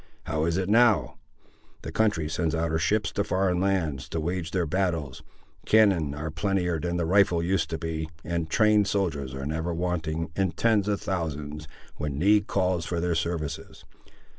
How is it now? The country sends out her ships to foreign lands, to wage their battles; cannon are plentier than the rifle used to be, and trained soldiers are never wanting, in tens of thousands, when need calls for their services.